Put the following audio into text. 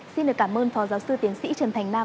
xin được cảm ơn phó giáo sư tiến sĩ trần thành nam